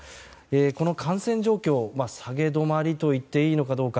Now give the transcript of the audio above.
この感染状況、下げ止まりと言っていいのかどうか。